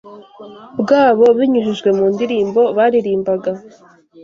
bwabo binyujijwe mu ndirimbo baririmbaga.